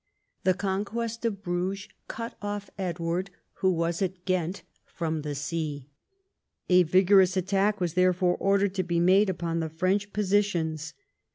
The conquest of Bruges cut off Edward, who was at Ghent, from the sea. A vigorous attack was therefore ordered to be made upon the French positions.